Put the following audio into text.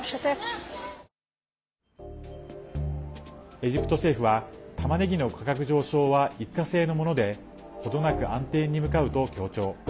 エジプト政府は、たまねぎの価格上昇は一過性のもので程なく安定に向かうと強調。